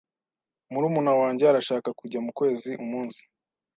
Murumuna wanjye arashaka kujya mukwezi umunsi.